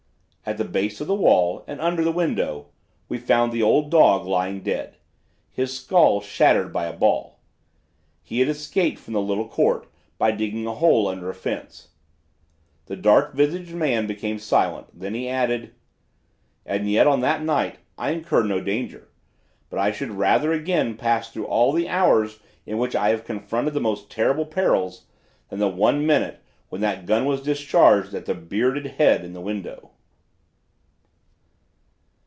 "At the base of the wall and under the window, we found the old dog lying dead, his skull shattered by a ball. "He had escaped from the little court by digging a hole under a fence." The dark visaged man became silent, then he added: "And yet on that night I incurred no danger, but I should rather again pass through all the hours in which I have confronted the most terrible perils than the one minute when that gun was discharged at the bearded head in the window."